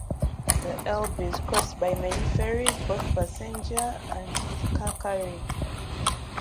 The Elbe is crossed by many ferries, both passenger and car carrying.